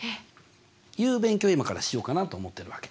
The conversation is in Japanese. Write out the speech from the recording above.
いう勉強を今からしようかなって思ってるわけ。